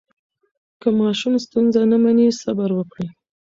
که ماشوم ستونزه نه مني، صبر وکړئ.